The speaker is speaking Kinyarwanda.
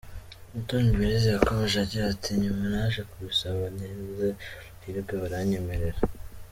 Umutoni Belise yakomeje agira ati: "Nyuma naje kubisaba ngize amahirwe baranyemerera.